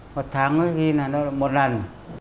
một tháng thì nó một lần